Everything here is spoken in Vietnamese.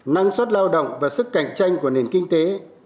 năng suất lao động và sức cạnh tranh của nền kinh tế